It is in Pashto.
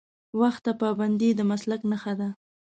وخت ته پابندي د مسلک نښه ده.